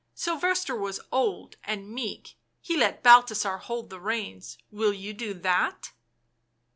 Sylvester was old and meek, he let Balthasar hold the reins — will you do that?"